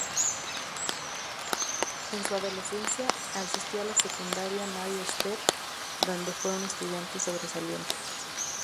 En su adolescencia, asistió a la secundaria Marie-Esther, donde fue un estudiante sobresaliente.